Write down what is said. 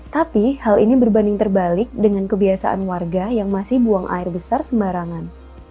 tapi hal ini berbanding terbalik dengan kebiasaan warga yang masih buang air besar sembarangan